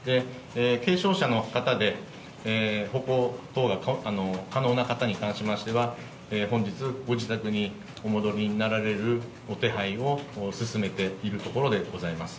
軽傷者の方で、歩行等が可能な方に関しましては、本日、ご自宅にお戻りになられるお手配を進めているところでございます。